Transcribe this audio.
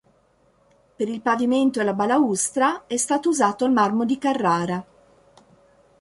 Per il pavimento e la balaustra è stato usato il marmo di Carrara.